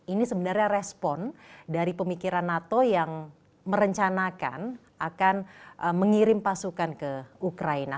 ini sebenarnya respon dari pemikiran nato yang merencanakan akan mengirim pasukan ke ukraina